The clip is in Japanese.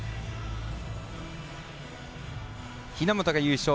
日本が優勝。